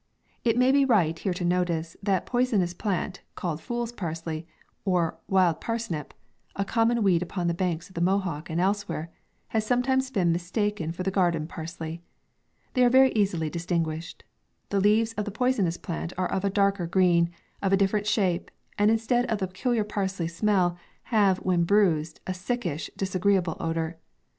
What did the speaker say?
It may be right here to notice, that the poi sonous plant, called fool's parsley, or wild parsnip, a common weed upon the banks of the Mohawk and elsewhere, has sometimes been mistaken for the garden parsley. They are very easily distinguished. The leaves of the poisonous plant are of a darker green, of a different shape, and instead of the pecu liar parsley smell, have, when bruised, a sick ish, disagreeable odour.